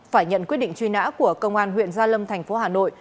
phải nhận quyết định truy nã của công an huyện gia lâm thành phố hà nội